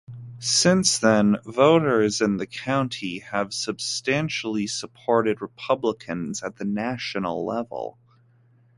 Since then, voters in the county have substantially supported Republicans at the national level.